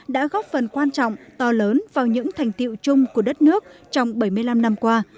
đã góp phần quan trọng to lớn vào những thành tiệu chung của đất nước trong bảy mươi năm năm qua